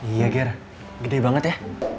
iya ger gede banget ya